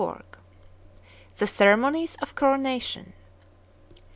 XVII. THE CEREMONIES OF CORONATION.